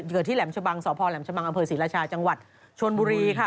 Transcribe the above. เกิดที่แหลมชะบังสพแหลมชะบังอำเภอศรีราชาจังหวัดชนบุรีค่ะ